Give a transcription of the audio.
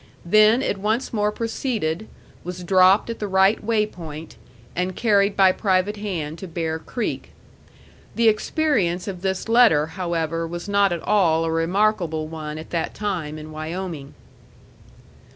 Then it once more proceeded, was dropped at the right way point, and carried by private hand to Bear Creek. The experience of this letter, however, was not at all a remarkable one at that time in Wyoming.